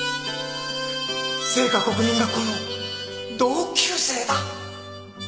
誠華国民学校の同級生だ